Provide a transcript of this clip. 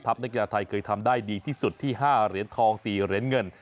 นักกีฬาไทยเคยทำได้ดีที่สุดที่๕เหรียญทอง๔เหรียญเงิน